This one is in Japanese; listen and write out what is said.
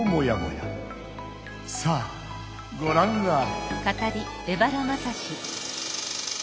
さあごらんあれ！